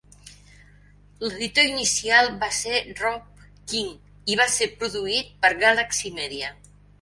L'editor inicial va ser Rob King i va ser produït per Galaxy Media.